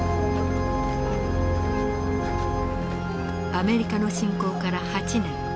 アメリカの侵攻から８年。